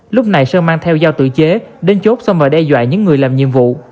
lúc này sơn mang theo dao tự chế đến chốt xông và đe dọa những người làm nhiệm vụ